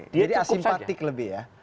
jadi asimpatik lebih ya